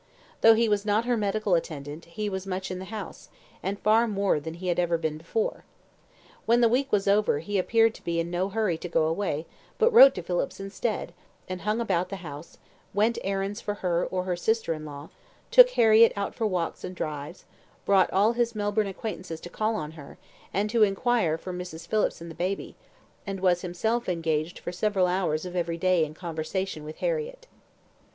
Though he was not her medical attendant, he was as much in the house, and far more than he had ever been before. When the week was over, he appeared to be in no hurry to go away, but wrote to Phillips instead; and hung about the house, went errands for her or her sister in law, took Harriett out for walks and drives, brought all his Melbourne acquaintances to call on her, and to inquire for Mrs. Phillips and the baby, and was himself engaged for several hours of every day in conversation with Harriett.